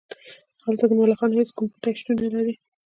هلته د ملخانو هیڅ کوم پټی شتون نلري